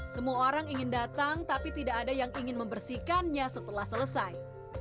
semua orang ingin datang tapi tidak ada yang ingin membersihkannya setelah selesai